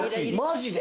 マジで？